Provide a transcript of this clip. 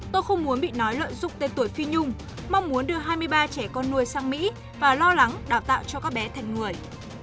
tôi không muốn bị nói lợi dụng tên tuổi phi nhung mong muốn đưa hai mươi ba trẻ con nuôi sang mỹ và lo lắng đào tạo cho các bé thành người